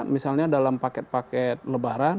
misalnya dalam paket paket lebaran